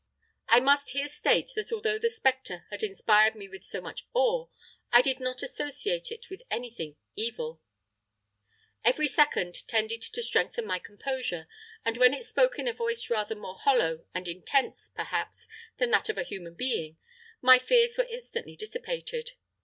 "I must here state that although the spectre had inspired me with so much awe, I did not associate it with anything EVIL. "Every second tended to strengthen my composure, and when it spoke in a voice rather more hollow and intense, perhaps, than that of a human being, my fears were instantly dissipated.